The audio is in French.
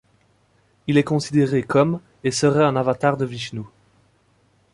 Il est considéré comme et serait un avatar de Vishnou.